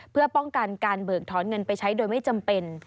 เพื่อป้องกันการเบิกถอนเงินไปใช้โดยไม่จำเป็น